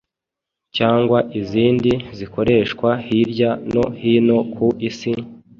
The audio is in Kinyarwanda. cyangwa izindi zikoreshwa hirya no hino ku isi,